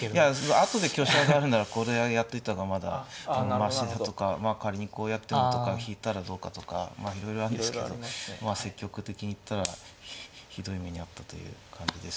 後で香車上がるならこれはやっといた方がまだましだとか仮にこうやってもとか引いたらどうかとかまあいろいろあるんですけど積極的に行ったらひどい目に遭ったという感じですかね。